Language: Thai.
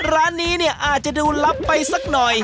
ร้านนี้เนี่ยอาจจะดูลับไปสักหน่อย